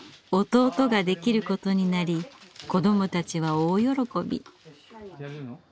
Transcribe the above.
弟ができることになり子どもたちは大喜び。